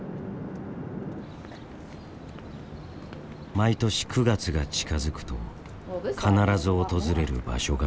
毎年９月が近づくと必ず訪れる場所がある。